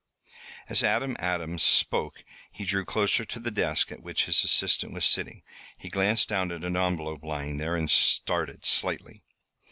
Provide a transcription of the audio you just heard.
As Adam Adams spoke he drew closer to the desk at which his assistant was sitting. He glanced down at an envelope lying there, and started slightly.